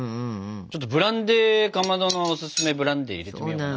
ちょっとブランデーかまどのおすすめブランデー入れてみよかな。